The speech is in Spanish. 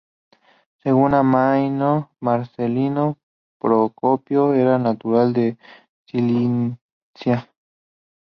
Según Amiano Marcelino, Procopio era natural de Cilicia.